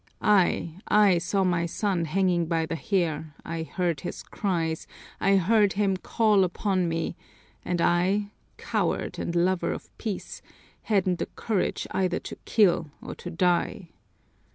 I, I saw my son hanging by the hair, I heard his cries, I heard him call upon me, and I, coward and lover of peace, hadn't the courage either to kill or to die!